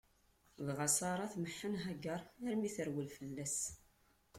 Dɣa Ṣara tmeḥḥen Hagaṛ armi i terwel fell-as.